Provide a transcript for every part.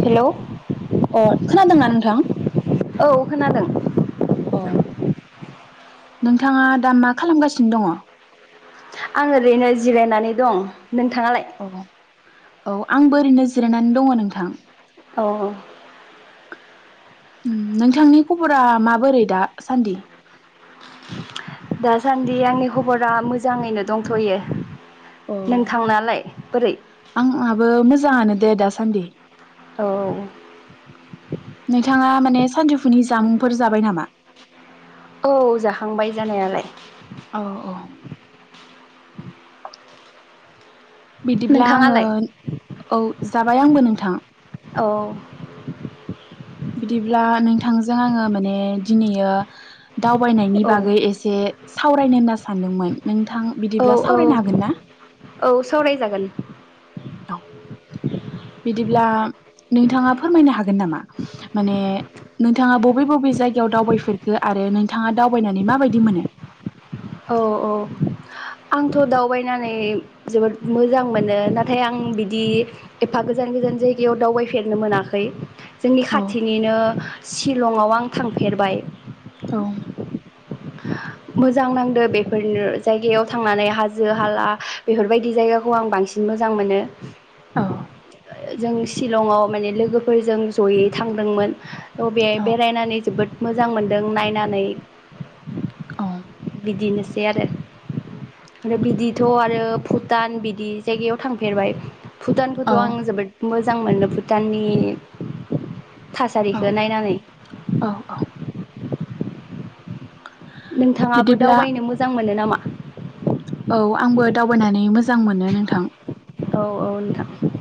Hello अ खोनादोंना नोंथां? औ खोनादों। औ नोंथाङा दा मा खालामगासिनो दङ? आं ओरैनो जिरायनानै दं। नोंथाङालाय? औ आंबो ओरैनो जिरायनानै दङ नोंथां। अ नोंथांनि खबरा माबोरै दा सान्दि? दासान्दि आंनि खबरा मोजाङैनो दंथ'यो। अ नोंथांनालाय? बोरै आंहाबो मोजाङानो दे दासान्दि। औ। नोंथाङा माने सानजौफुनि जामुंफोर जाबाय नामा? औ जाखांबाय जानायालाय। औ औ बिदिब्ला आङो नोंथाङालाय औ जाबाय आंबो नोंथां। औ। बिदिब्ला नोंथांजों आङो माने दिनैयो दावबायनायनि औ बागै एसे सावराय होनना सान सानदोंमोन नोंथां औ बिदिब्ला औ सावरायनो हागोन ना? औ सावरायजागोन औ बिदिब्ला नोंथाङा फोरमायनो हागोन नामा माने नोंथाङा बबे -बबे जायगायाव दावबायफेरखो आरो नोंथाङा दावबायनानै माबायदि मोनो? औ- औ आंथ' दावबायनानै जोबोद मोजां मोनो नाथाय आं बिदि एफा गोजान -गोजान जायगायाव दावबायफेरनो मोनाखै। जोंनि औ खाथिनिनो शिलंआव आं थांफेरबाय। औ। मोजां नांदो बेफोरनो जायगायाव थांनानै हाजो हाला बेफोरबायदि जायगाखौ आं बांसिन मोजां मोनो। औ जों शिलंआव माने लोगोफोरजों जयै थांदोंमोन। अ बेयाय औ बेरायनानै जोबोद मोजां मोनदों नायनानै औ बिदिनोसै आरो आरो ओ बिदिथ' आरो भुटान बिदि जायगायाव थांफेरबाय। भुटानखौथ औ आं जोबोद मो मोजां मोनो भुटाननि औ थासारिखौ नायनानै। औ औ नोंथाङाबो बिदिब्ला दावबायनो मोजां मोनो नामा? औ आंबो दावबायनानै मोजां मोनो नोंथां। औ औ नोंथां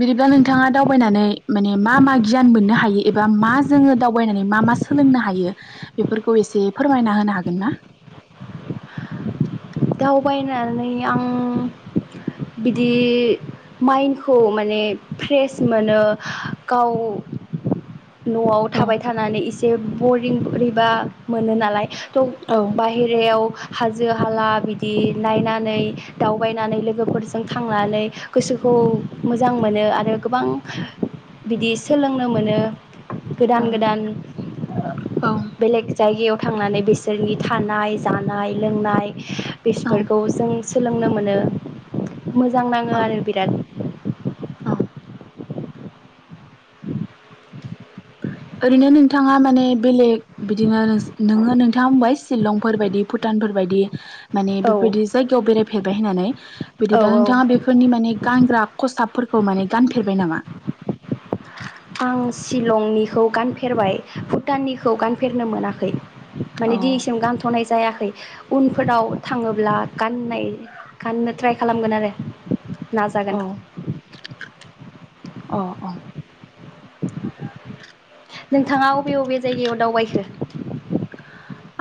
बिदिब्ला नोंथाङा दावबायनानै माने मा मा गियान मोननो हायो एबा मा जोङो दावबायनानै मा मा सोलोंनो हायो बेफोरखौ एसे फोरमायना होनो हागोन ना? दावबायनानै आं बिदि माइन्खौ माने फ्रेस मोनो गाव न'आव औ थाबाय थानानै जे बरिं बोरैबा मोनो नालाय थ' औ बाहेरायाव हाजो-हाला बिदि नायनानै दावबायनानै लोगोफोरजों थांनानै गोसोखौ मोजां मोनो आरो गोबां बिदि सोलोंनो मोनो। औ गोदान गोदान औ बेलेग जायगायाव थांनानै बिसोरनि थानाय जानाय लोंनाय औ बिसफोरखौ जों सोलोंनो मोनो मोजां औ नाङो आरो बिराद औ ओरैनो नोंथाङा माने बेलेग बिदिनो नोङो नोंथाङा बुंबाय शिलंफोरबायायदि भुटानफोरबायदि माने औ बेफोरबायदि जायगायाव बेरायफेरबाय होननानै औ बिदिबा औ नोंथाङा बेफोरनि माने गानग्रा खसाबफोरखौ माने गानफेरबाय नामा? आं शिलंनिखौ गानफेरबाय भुटाननिखौ गानफेरनो मोनाखै। औ माने दिनैसिम गानथ'नाय जायाखै उनफोराव थाङोब्ला गाननाय गाननो ट्राइ खालामगोन आरो। औ नाजागोन- अ अ नोंथाङा अबे बबे जायगायाव दावबायखो?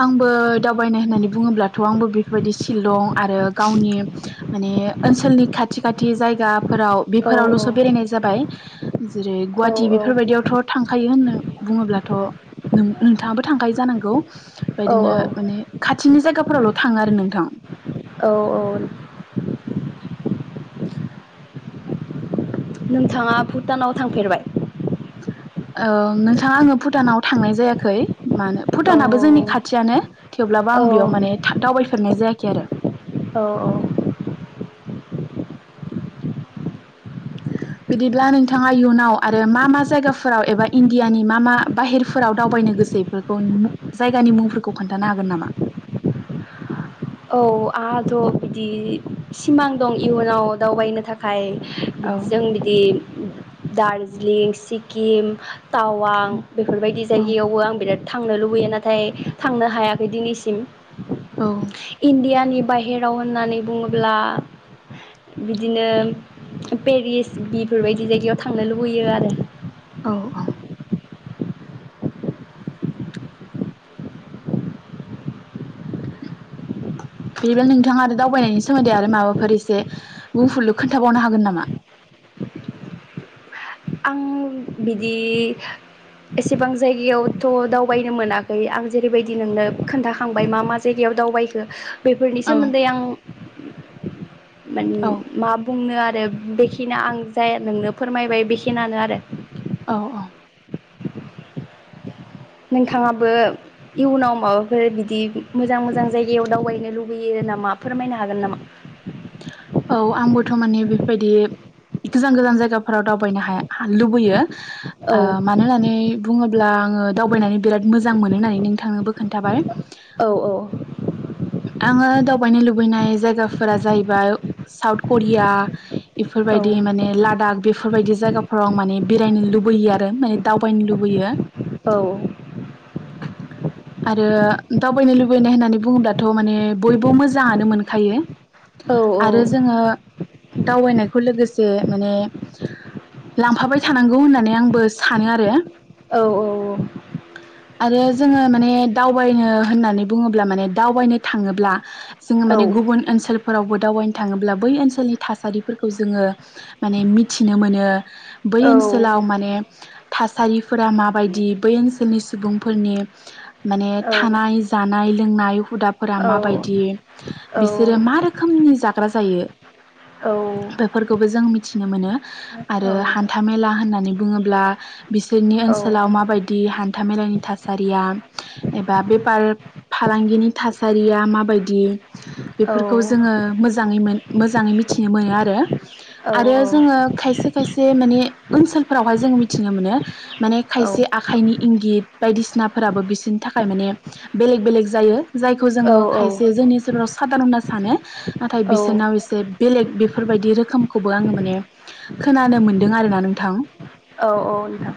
आंबो दावबायनाय होननानै बुङोब्लाथ' आंबो बेफोरबायदि शिलं आरो गावनि माने ओनसोलनि खाथि खाथि जायगा फोराव औ बेफोरावल'सो बेरायनाय जाबाय जेरै औ गुवाहाटि बेफोरबायदियावथ' थांखायो होननो बुङोब्लाथ' नों नोंथाङाबो थांखायो जानांगौ बायदिनो औ माने खाथिनि जायगाफोरावल' थांङो आरो नोंथां औ औ नोंथाङा भुटानाव थांफेरबाय? औ नोंथां आंङो भुटानाव थांनाय जायाखै। मानो औ भुटानाबो जोंनि खाथियानो थेवब्लाबो औ आं बेयाव माने था-दावबायफेरनाय जाया खै आरो औ औ बिदिब्ला नोंथाङा इयुनाव आरो मा मा जायगाफोराव एबा इण्डियानि मा मा बाहेरफोराव दावबायनो गोसो इफोरखौ जायगानि मुंफोरखौ खोन्थानो हागोन नामा? औ आंहाथ' बिदि सिमां दं इयुनाव दावबायनो थाखाय औ जों बिदि दार्जिलिंग सिक्किम टावां बेफोरबायदि औ जायगायावबो आं बिराद थांनो लुबैयो नाथाय थांनो हायाखै दिनैसिम औ डियानि बाहेराव होननानै बुङोब्ला बिदिनो पेरिस बिफोरबायदि जायगायाव थांनो लुबैयो आरो औ औ बिदिब्ला नोंथाङा आरो दावबायनायनि सोमोन्दै आरो माबाफोर एसे बुंफलु खोन्थाबावनो हागोन नामा? आं बिदि एसेबां जायगायावथ' दावबायनो मोनाखै आं जेरैबायदि नोंनो खोन्थाखांबाय मा मा जायगायाव दावबायखो बेफोरनि औ सोमोन्दै आं औ मान-मा बुंनो आ- रो बेखिनि आं जाय नोंनो फोरमायबाय बेखि खिनानो आरो औ औ नोंथाङाबो इयुनाव माबाफोर बिदि मोजां मोजां जायगायाव दावबायनो लुुबैयो नामा फोरमायनो हागोन नामा? औ आंबोथ' माने बेफोरबायदि गोजान गोजान जायगाफोराव दावबायनो हाय-हा लुबैयो आ औ मानोहोननानै बुंङो- ब्ला आंङो दावबायनानै बिराद मोजां मोनो होननानै नोंथांनोबो खोन्थाबाय औ औ आंङो दावबायनो लुबैनाय जायगाफोरा जाहैबाय साउथ करिया औ इफोरबायदि माने लादाख बे- बफोरबायदि जायगाफोराव माने बेरायनो लुबैयो आरो माने दावबायनो लुबैयो। औ आरो दावबायनो लुबैनाय होननानै बुङोब्ला थ' माने बयबो मोजांङानो मोनखायो औ आरो जोंङो दावबायनायखौ लोगोसे माने लांफाबाय थानांगौ होननानै आंबो सानो आरो। औ औ औ आरो जोङो माने दावबायनो होननानै बुङोब्ला माने दावबायनो थाङोब्ला जोङो माने गुबुन ओनसोल फोरावबो दावबायनो थाङोब्ला बै ओनसोलनि थासारिफोरखौ जोङो माने मिथिनो मोनो बै ओनसोलाव औ माने थासारिफोरा माबायदि बै ओनसोलनि सुबुंफोरनि माने थानाय जानाय लोंनाय हुदाब फोरा औ माबायदि बिसोर मा रोखोमनि जान ग्रा जायो बेफोरखौबो जों मिथिनो मोनो आरो हान्थामेला होननानै बुङोब्ला बिसोरनि ओनसोलाव माबायदि हान्था मेलानि थासारिया एबा बेफार फालांगिनि थासारिया माबायदि बेफोरखौ जोङो मोजाङै मोन मोजाङै मिथिनो मोनो आरो। आरो जोङो खायसे खायसे माने ओनसोलफोरावहाय जोंङो मिथिनो मोनो माने खायसे आखाइनि इंगित बायदिसिनाफोराबो बिसोरनि थाखाय माने बेलेग बेलेग जायो। जायखौ जोङो खायसे जोंनि जाव सादारन होनना सानो नाथाय बिसोरनाव एसे बेलेग बेफोरबायदि रोखोमखौबो आङो माने खोनानो मोनदों आरो ना नोंथां। औ औ नोंथां।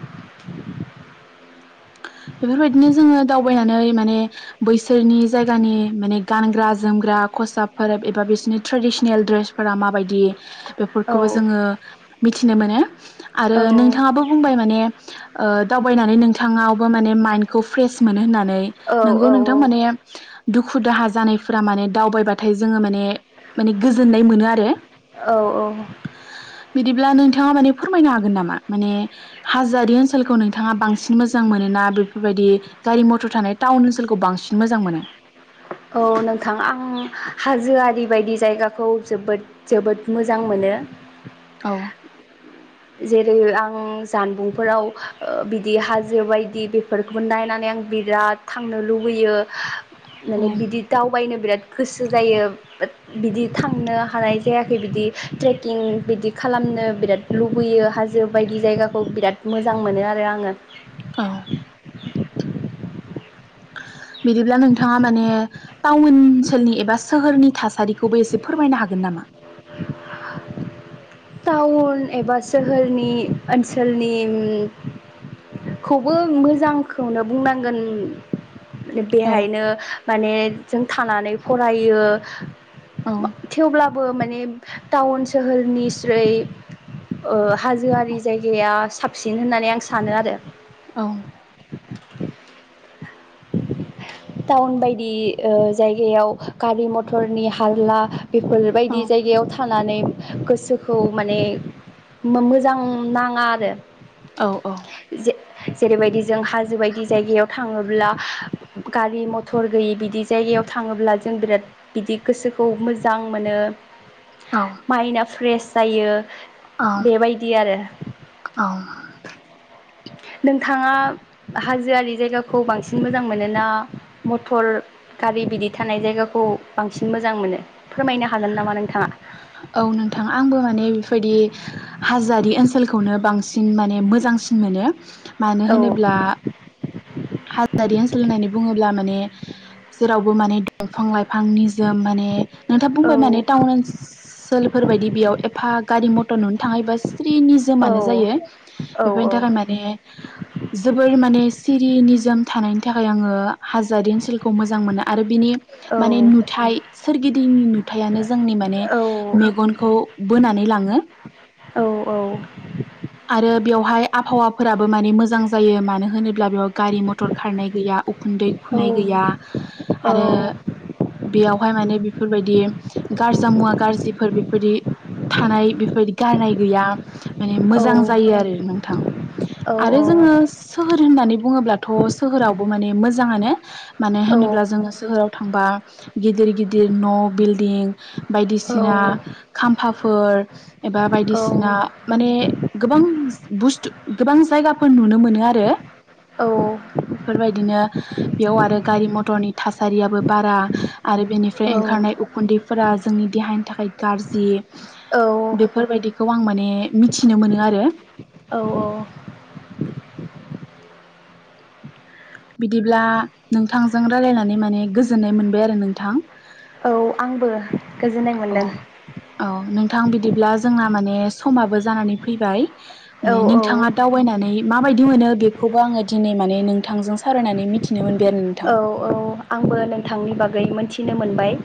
बेफोरबायदिनो जोङो दावबायनानै माने बैसोरनि जायगानि माने गानग्रा जोमग्रा खसाब फोर एबा बिसोरनि ट्रेडिसनेल ड्रेसफोरा माबायदि बेफोरखौबो जोङो मिथिनो मोनो आरो नोंथाङाबो बुंबाय माने ओह दावबायनानै नों नोंथाङावबो माने माइन्दखौ फ्रेस मोनो होननानै औ नोंगौ औ नोंथां औ माने दुखु दाहा जानायफोरा माने दावबायबाथाय जोङो माने माने गोजोननाय मोनो आरो। औ औ। बिदिब्ला नोंथाङा माने फोरमायनो हागोन नामा माने हाजोरि ओनसोलखौ नोंथाङा बांसिन मोजां मोनो ना बेफोरबायदि गारि मथर थानाय टाउन ओनसोलखौ बांसिन मोजां मोनो? औ नोंथां आं हाजोआरि बायदि जायगाखौ जोबोद जोबोद मोजां मोनो। औ। जेरै आं जानबुंफोराव बिदि हाजो बायदि बेफोरखौबो नायनानै आं बिराद थांनो लुबैयो। माने बिदि दावबायनो बिराद गोसो जायो बाथ बिदि थांनो हानाय जायाखै बिदि ट्रेकिं बिदि खालामनो बिराद लुब लुबैयो हाजो बायदि जायगाखौ बिराद मोजां मोनो आरो आङो। औ। बिदिब्ला नोंथाङा माने टाउन ओनसोलनि एबा सोहोरनि थासारिखौबो एसे फोरमायनो हागोन नामा? टाउन एबा सोहोरनि ओनसोलनिखौबो मोजांखौनो बुंनांगोन। औ बेहायनो माने जों थानानै फरायो औ मा थेवब्लाब बो माने टाउन सोहोरनि सिख ज्रै ओह हाजोआरि जायगाया साबसिन होननानै आं सानो आरो। औ। [inaudible] टाउन बायदि ओह जायगायाव गारि मथरनि हारला बेफोरबायदि जायगायाव थानानै गोसोखौ माने मो-मोजां नाङा आरो। औ औ। जेरैबायदि जों हाजो बायदि जायगायाव थाङोब्ला गारि मथर गैयि बिदि जायगायाव थाङोब्ला जों बिराद बिदि गोसोखौ मोजां मोनो। औ माइन्दआ फ्रेस जायो औ बेबायदि आरो औ नोंथाङा हाजोआरि जायगाखौ बांसिन मोजां मोनोना मटर गारि बिदि थानाय जायगाखौ बांसिन मोजां मोनो फोरमायनो हागोन नामा नोंथाङा? औ नोंथां आंबो माने बेफोरबायदि हाजोआरि ओनसोलखौनो बांसिन माने मोजांसिन मोनो। मानो औ होनोब्ला हाजोआरि ओनसोल होननानै बुङोब्ला माने जेरावबो माने दंफां-लाइफां एफां निजोम माने नोंथा औ बुंबाय माने टाउन ओनसोलफोर बायदि बेयाव एफा गारि मथर नुनो थाङै बास स्रि औ निजोमानो जायो औ बेफोरनि थाखाय माने जोबोर माने स्रि निजोम थानायनि थाखाय आङो हाजोारि ओनसोलखौ मोजां मोनो आरो बिनि औ माने नुथाय सोरगिदिंनि नुथायानो जोंनि माने औ मेगनखौ बोनानै लाङो। आरो बेवहाय आबहावाफोराबो माने मोजां जायो मानो होनो- ब्ला बेयाव गारि मथर खारनाय गैया उखुन्दै खुनाय गैया आरो औ बेयावहाय माने बेफोरबायदि गारजा मुवा ग्रा- बेफोर बेफोरदि थानाय बेफोरदि गारनाय गैया। औ मोजां जायो आरो नोंथां औ आरो औ जोङो सोहोर होननानै बुङोब्लाथ' सोहोरावबो माने मोजाङानो‌। मानो होनोब्ला जोङो सोहोराव थांबा गिदिर गिदिर न' बिल्डिं बायदिसिना खाम्फा- फोर एबा बायदिसिना माने गोबां बुस्थु गोबां जायगाफोर नुनो मोनो आरो औ बेफोरबायदिनो बेयाव आरो गारि मथरनि थासारियाबो बारा आरो बेनिफ्राय ओंखारनाय उखुन्दैफोरा जोंनि देहानि थाखाय गाज्रि औ औ, बेफोरबायदिखौ आं माने मिथि- नो मोनो आरो औ औ बिदिब्ला नोंथांजों रायलायनानै माने गोजोननाय मोनबाय आरो नोंथां। औ आंबो गोजोननाय औ मोनदों औ नोंथां बिदिब्ला जोंना माने समाबो जानानै फैबाय औ माने औ नोंथाङा दावबायनानै माबायदि मोनो बेखौबो आङो दिनै माने नोंथांजों सावरायनानै मिथिनो मोन औ औ आंबो नोंथांनि बागै गै मोनथिनो मोनबाय।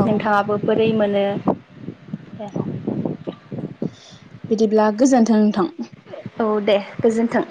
औ नोंथाङाबो दै मोनो। एह। औ बिदिब्ला गोजोन्थों नोंथां। औ दे गोजोन्थों।